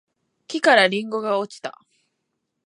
木からりんごが落ちた